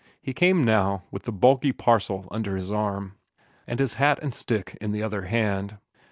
He came now with the bulky parcel under his arm, and his hat and stick in the other hand.